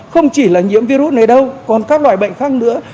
không chỉ là nhiễm virus này đâu còn các loại bệnh khác nữa